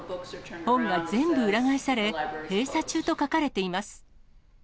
本が全部裏返され、閉鎖中と書かれています。